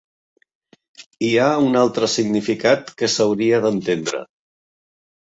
Hi ha un altre significat que s'hauria d'entendre.